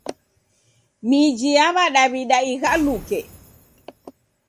Miji ya w'adaw'ida ighaluke.